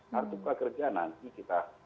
kartu prakerja nanti kita